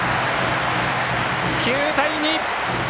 ９対２！